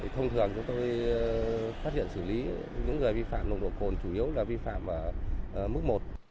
thông thường chúng tôi phát hiện xử lý những người vi phạm nồng độ cồn chủ yếu là vi phạm ở mức một